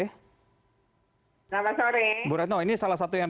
selamat sore bu retno ini salah satu yang